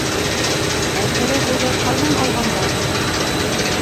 Ә тере һыуҙы ҡайҙан алғандар һуң?